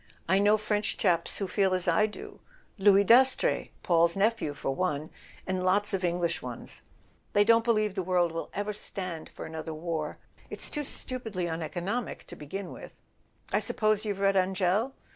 I know French chaps who feel as I do—Louis Dastrey, Paul's nephew, for one; and lots of English ones. They don't believe the world will ever stand for another war. It's too stupidly uneco¬ nomic, to begin with: I suppose you've read Angell?